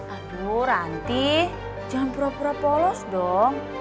aduh ranti jangan pura pura polos dong